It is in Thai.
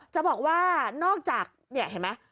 จะบอกว่านอกจากนี่เห็นไหม